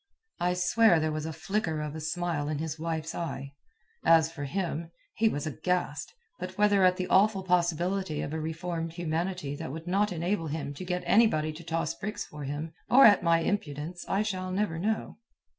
I swear there was a flicker of a smile in his wife's eye. As for him, he was aghast but whether at the awful possibility of a reformed humanity that would not enable him to get anybody to toss bricks for him, or at my impudence, I shall never know.